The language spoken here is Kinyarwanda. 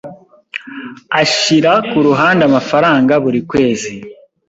Ashira ku ruhande amafaranga buri kwezi.